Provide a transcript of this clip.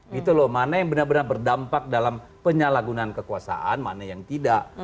gitu loh mana yang benar benar berdampak dalam penyalahgunaan kekuasaan mana yang tidak